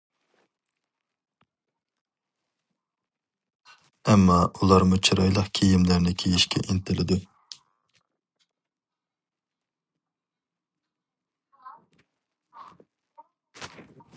ئەمما ئۇلارمۇ چىرايلىق كىيىملەرنى كىيىشكە ئىنتىلىدۇ.